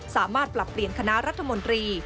สามารถปรับเปลี่ยนคณะรัฐมนตรี